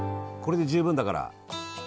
これで十分だから。